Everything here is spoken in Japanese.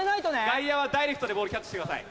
外野はダイレクトでボールキャッチしてください。